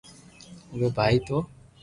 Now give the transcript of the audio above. اوي ٻآٽئ تو